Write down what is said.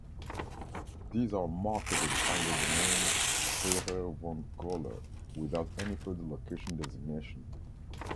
These are marketed under the name "Freiherr von Göler" without any further location designation.